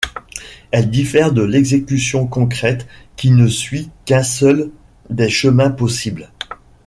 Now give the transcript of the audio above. Elle diffère de l’exécution concrète qui ne suit qu'un seul des chemins possibles.